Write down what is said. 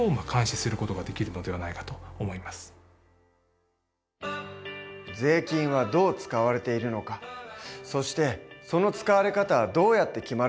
私たちは税金はどう使われているのかそしてその使われ方はどうやって決まるのか。